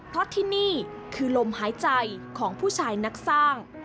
เพราะที่นี่คือลมหายใจของผู้ชายนักสร้าง